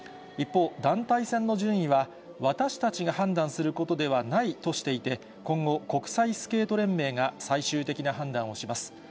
一方、団体戦の順位は、私たちが判断することではないとしていて、今後、国際スケート連盟が最終的な判断をします。